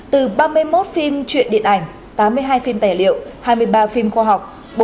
từ ba mươi một phim truyện điện ảnh tám mươi hai phim tài liệu hai mươi ba phim khoa học